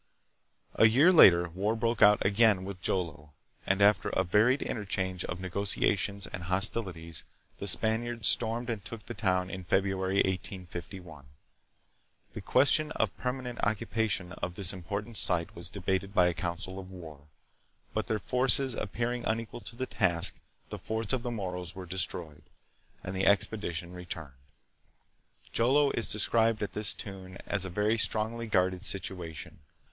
A year later war broke out again with Jolo, and after a varied interchange of negotiations and hostilities, the Spaniards stormed and took the town in February, 1851. The ques tion of permanent occupation of this important site was debated by a council of war, but their forces appearing unequal to the task, the forts of the Moros were destroyed, and the expedition returned. Jolo is described at this tune as a very strongly guarded situation.